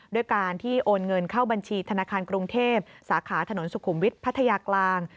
ด้วยการที่โอนเงินเข้าบัญชีธนาคารกรุงเทพสาขาถนนสุขุมวิทย์พัทยากลาง